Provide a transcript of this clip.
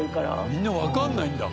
みんなわかんないんだ。